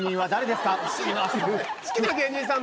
好きな芸人さん